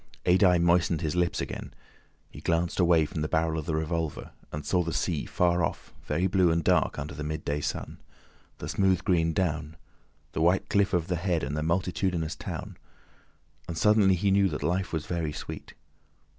Adye moistened his lips again. He glanced away from the barrel of the revolver and saw the sea far off very blue and dark under the midday sun, the smooth green down, the white cliff of the Head, and the multitudinous town, and suddenly he knew that life was very sweet.